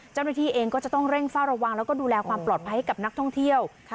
เจ้าหน้าที่เองก็จะต้องเร่งเฝ้าระวังแล้วก็ดูแลความปลอดภัยให้กับนักท่องเที่ยว